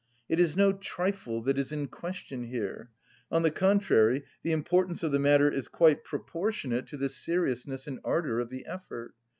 It is no trifle that is in question here; on the contrary, the importance of the matter is quite proportionate to the seriousness and ardour of the effort.